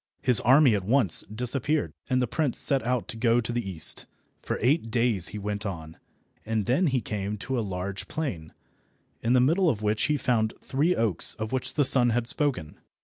His army at once disappeared, and the prince set out to go to the east. For eight days he went on, and then he came to a large plain, in the middle of which he found the three oaks of which the sun had spoken.